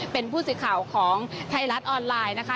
เป็นผู้สื่อข่าวของไทยรัฐออนไลน์นะคะ